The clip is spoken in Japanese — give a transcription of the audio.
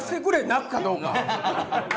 泣くかどうか。